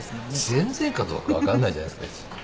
全然かどうか分かんないじゃないですか別に。